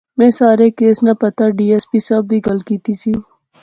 میں سارے کیس ناں پتہ۔۔ ڈی ایس پی صاحب وی گل کیتی سی